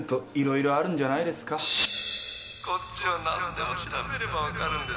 こっちは何でも調べれば分かるんですよ。